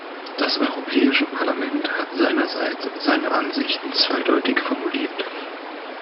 Das Europäische Parlament hat seinerseits seine Ansichten zweideutig formuliert.